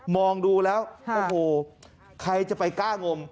องดูแล้วโอ้โหใครจะไปกล้างม